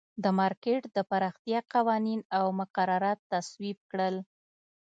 د مارکېټ د پراختیا قوانین او مقررات تصویب کړل.